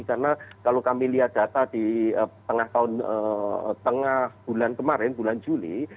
karena kalau kami lihat data di tengah bulan kemarin bulan juli